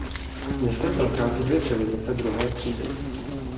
Městem prochází dvě silnice druhé třídy.